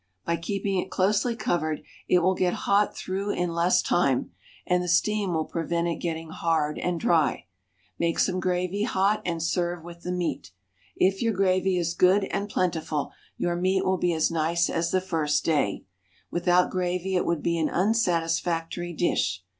By keeping it closely covered it will get hot through in less time, and the steam will prevent it getting hard and dry; make some gravy hot and serve with the meat. If your gravy is good and plentiful, your meat will be as nice as the first day; without gravy it would be an unsatisfactory dish.